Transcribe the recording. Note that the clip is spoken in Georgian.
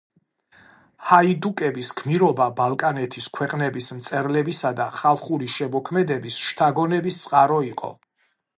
ჰაიდუკების გმირობა ბალკანეთის ქვეყნების მწერლებისა და ხალხური შემოქმედების შთაგონების წყარო იყო.